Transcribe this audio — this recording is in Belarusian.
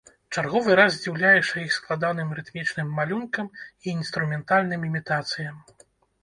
Чарговы раз здзіўляешся іх складаным рытмічным малюнкам і інструментальным імітацыям.